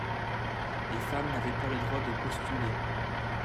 Les femmes n'avaient pas le droit de postuler.